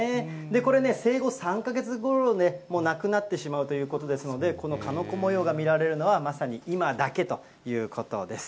これね、生後３か月ごろになくなってしまうということですので、この鹿の子模様が見られるのは、まさに今だけということです。